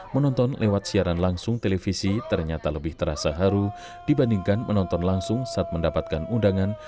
menonton lewat siaran langsung televisi ternyata lebih terasa haru dibandingkan menonton langsung saat mendapatkan undangan